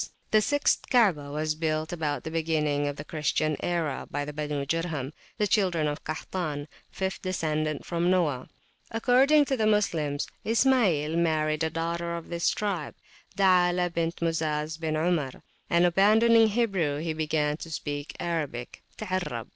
The sixth Kaabah was built about the beginning of the Christian era by the Benu Jurham, the children of Kahtan, fifth descendant from Noah. Ismail married, according to the Moslems, a daughter of this tribe, Daalah bint Muzaz ([Arabic]) bin Omar, and abandoning Hebrew, he began to speak Arabic (Ta arraba).